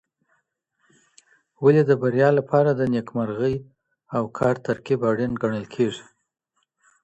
ولي د بریا لپاره د نېکمرغۍ او کار ترکیب اړین ګڼل کېږي؟